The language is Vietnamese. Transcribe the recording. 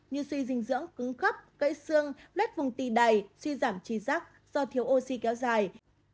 như suy dinh dưỡng cứng khắp gây xương lết vùng tì đầy suy giảm trí giác do thiếu oxy kéo dài